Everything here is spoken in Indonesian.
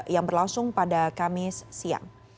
yang berlangsung pada kamis siang